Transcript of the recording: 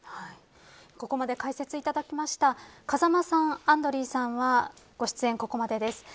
ここまで解説いただきました風間さん、アンドリーさんはご出演、ここまでです。